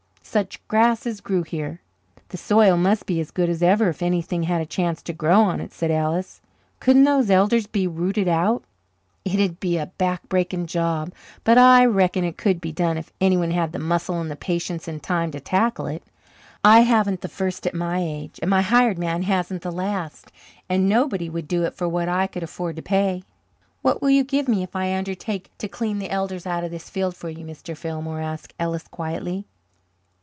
Such grass as grew here!" "The soil must be as good as ever if anything had a chance to grow on it," said Ellis. "Couldn't those elders be rooted out?" "It'd be a back breaking job, but I reckon it could be done if anyone had the muscle and patience and time to tackle it. I haven't the first at my age, and my hired man hasn't the last. And nobody would do it for what I could afford to pay." "What will you give me if I undertake to clean the elders out of this field for you, Mr. Fillmore?" asked Ellis quietly.